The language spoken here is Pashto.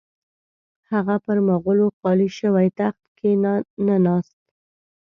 هغه پر مغولو خالي شوي تخت کښې نه ناست.